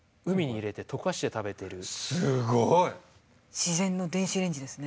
自然の電子レンジですね。